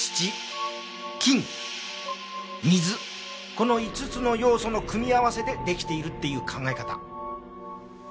この５つの要素の組み合わせで出来ているっていう考え方。